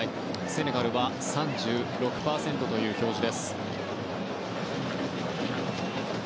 セネガルは３６％という表示。